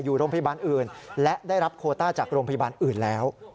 อยู่โรงพยาบาลอื่นและได้รับโคต้าจากโรงพยาบาลอื่นแล้ว